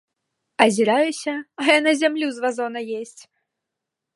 Азіраюся, а яна зямлю з вазона есць!